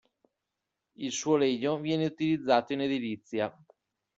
Il suo legno viene utilizzato in edilizia.